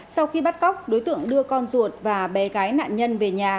sau khi bắt cóc đối tượng đưa con ruột và bé gái nạn nhân về nhà